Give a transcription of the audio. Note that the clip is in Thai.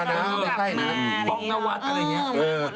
พร้อมนวัฒน์อะไรอย่างเงี้ย